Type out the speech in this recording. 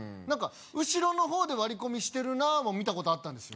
後ろの方で割り込みしてるなも見たことあったんですよ